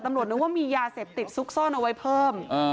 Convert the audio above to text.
นึกว่ามียาเสพติดซุกซ่อนเอาไว้เพิ่ม